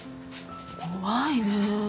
怖いね。